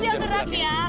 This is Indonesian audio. lara jangan gerak